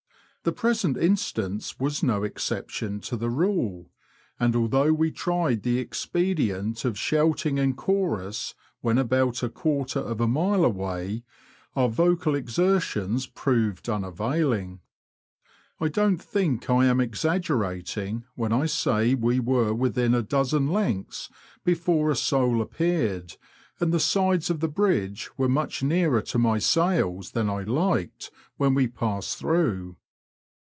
The present instance was no exception to the rule, and although we tried the expedient of shouting in chorus when about a quarter of a mile away, our vocal exertions proved unavailing. I don't think I am exaggerating when I say we were within a dozen lengths before a soul appeared, and the sides of the bridge were much nearer to my sails than I liked when we passed through.